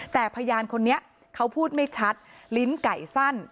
แต่พยานคนนี้เขาพูดไม่ชัดลิ้นไก่สั้น